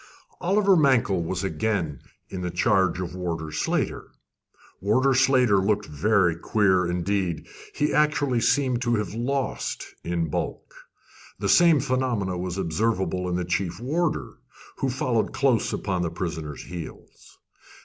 Oliver Mankell was again in the charge of Warder Slater. Warder Slater looked very queer indeed he actually seemed to have lost in bulk. The same phenomenon was observable in the chief warder, who followed close upon the prisoner's heels.